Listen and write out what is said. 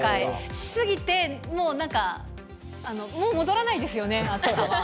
し過ぎて、もうなんか、もう戻らないですよね？